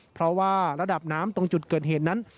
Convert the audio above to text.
เพราะว่าระดับน้ำตรงจุดเกิดเหตุนั้น